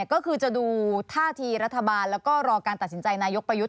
ก็คือจะดูท่าทีรัฐบาลแล้วก็รอการตัดสินใจนายกประยุทธ์